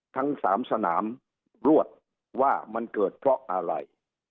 ทั้ง๓สนามรวดว่ามันเกิดเพราะอะไร